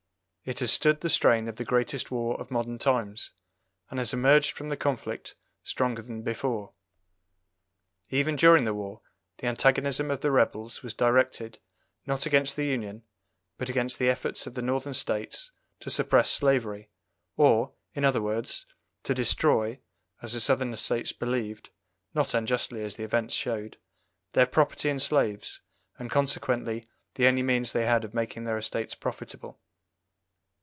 It has stood the strain of the greatest war of modern times, and has emerged from the conflict stronger than before. Even during the war the antagonism of the rebels was directed, not against the Union, but against the efforts of the Northern States to suppress slavery, or, in other words, to destroy, as the Southern States believed (not unjustly as the event showed), their property in slaves, and consequently the only means they had of making their estates profitable.